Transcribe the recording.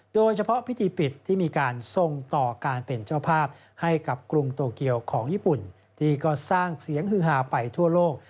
โดยเฉพาะพิธีปิดที่มีการส่งต่อการเป็นเจ้าภาพให้กับกรุงโตเกียวของญี่ปุ่นที่ก็สร้างเสียงฮือหาไปทั่วโลก